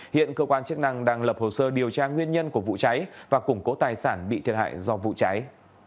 hiện cơ quan chức năng đang lập hồ sơ điều tra nguyên nhân của vụ cháy và củng cố tài sản bị thiệt hại do vụ cháy